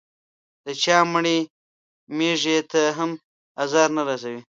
د چا مړې مېږې ته هم ازار نه رسوي.